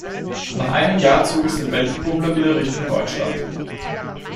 Nach einem Jahr zog es den Weltenbummler wieder Richtung Deutschland.